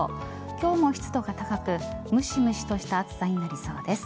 今日も湿度が高くむしむしとした暑さになりそうです。